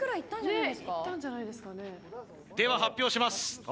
では発表します